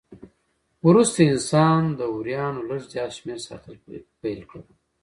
وروسته انسان د وریانو لږ زیات شمېر ساتل پیل کړل.